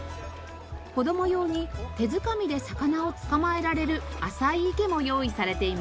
子供用に手づかみで魚を捕まえられる浅い池も用意されています。